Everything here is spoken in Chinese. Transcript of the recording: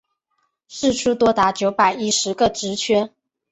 释出多达九百一十个职缺